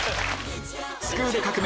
『スクール革命！』